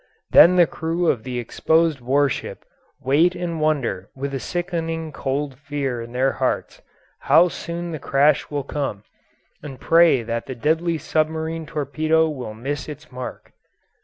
Then the crew of the exposed warship wait and wonder with a sickening cold fear in their hearts how soon the crash will come, and pray that the deadly submarine torpedo will miss its mark.